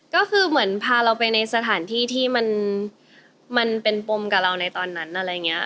ก็คือเหมือนพาเราไปในสถานที่ที่มันเป็นปมกับเราในตอนนั้นอะไรอย่างนี้